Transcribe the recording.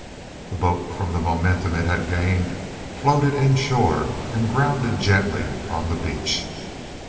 The boat, from the momentum it had gained, floated inshore and grounded gently on the beach.